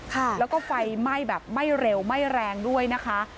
ค่ะแล้วก็ไฟไหม้แบบไม่เร็วไม่แรงด้วยนะคะ